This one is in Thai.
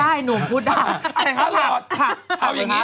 ถ้าหลอดเอายังงี้ฮะใช่อย่างนี้